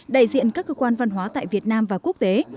đại diện các cơ quan văn hóa tại việt nam và quốc tế